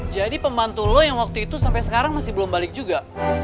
jadi pembantu lo yang waktu itu sampai sekarang masih belum balik juga